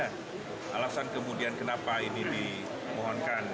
alasan kemudian kenapa ini dimohonkan